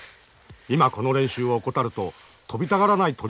今この練習を怠ると飛びたがらない鳥になってしまう。